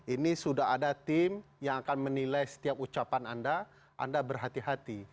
ini sudah ada tim yang akan menilai setiap ucapan anda anda berhati hati